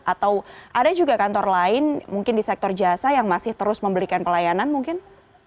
atau ada juga kantor lain mungkin di sektor jasa yang masih terus memberikan pelayanan mungkin